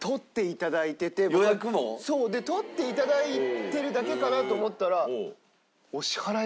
取っていただいているだけかなと思ったら。